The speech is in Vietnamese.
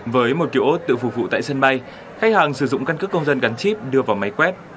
với một kiosk tự phục vụ tại sân bay khách hàng sử dụng căn cước công dân gắn chip đưa vào máy quét